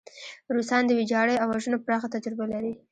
روسان د ویجاړۍ او وژنو پراخه تجربه لري.